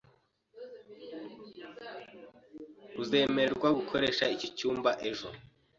Uzemererwa gukoresha iki cyumba ejo